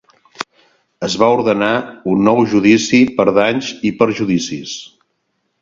Es va ordenar un nou judici per danys i perjudicis.